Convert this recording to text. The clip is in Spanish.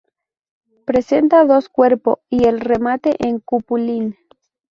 Presenta dos cuerpo y el remate en cupulín.